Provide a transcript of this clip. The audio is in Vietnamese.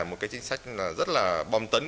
một cái chính sách rất là bong tấn